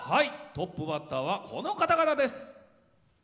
トップバッターはこの方々。